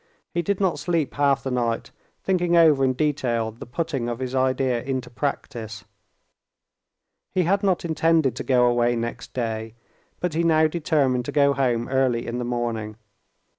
He did not sleep half the night, thinking over in detail the putting of his idea into practice. He had not intended to go away next day, but he now determined to go home early in the morning.